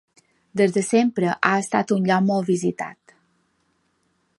Des de sempre ha estat un lloc molt visitat.